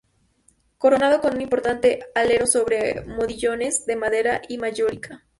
Coronado con un importante alero sobre modillones de madera y mayólica.